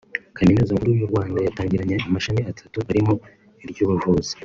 Kaminuza Nkuru y’u Rwanda yatangiranye amashami atatu arimo iry’ubuvuzi